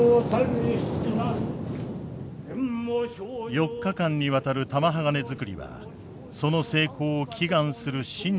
４日間にわたる玉鋼づくりはその成功を祈願する神事から始まった。